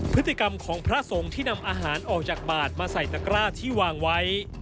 พฤติกรรมของพระสงฆ์ที่นำอาหารออกจากบาทมาใส่ตะกร้าที่วางไว้